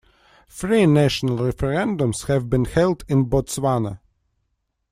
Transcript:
Three national referendums have been held in Botswana.